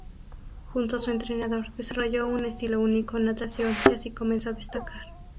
Junto a su entrenador, desarrolló un estilo único natación, y así comenzó a destacar.